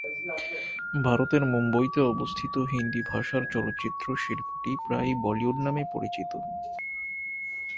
ভারতের মুম্বইতে অবস্থিত হিন্দি ভাষার চলচ্চিত্র শিল্পটি প্রায়ই বলিউড নামে পরিচিত।